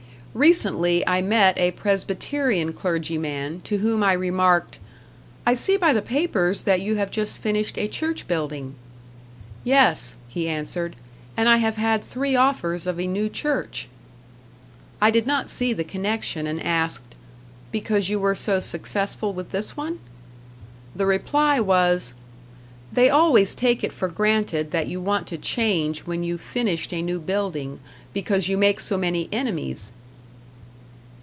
Recently I met a Presbyterian clergyman, to whom I remarked, "I see by the papers that you have just finished a church building." "Yes," he answered; "and I have had three offers of a new church." I did not see the connection, and asked, "Because you were so successful with this one?" The reply was, "They always take it for granted that you want to change when you've finished a new building, because you make so many enemies!"